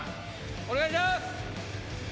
お願いします！